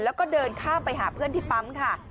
แล้วก็เดินข้ามไปหาเพื่อนที่ปั๊มค่ะ